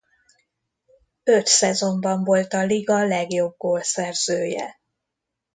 Öt szezonban volt a Liga legjobb gólszerzője.